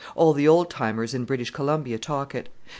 All the old timers in British Columbia talk it.